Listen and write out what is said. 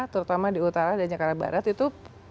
terutama di utara dan jakarta barat itu